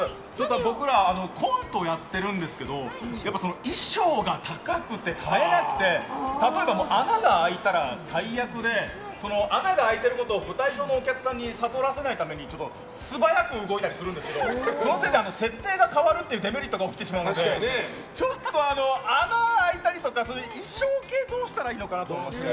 僕らコントをやってるんですけど衣装が高くて買えなくて例えば穴が開いたら最悪で穴が開いてることを舞台上のお客さんに悟らせないために素早く動いたりするんですけどそのせいで設定が変わるっていうデメリットが起きてしまいましてちょっと、穴が開いたりとか衣装系はどうしたらいいのかなと。